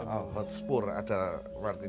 oh pabrik tebu kuno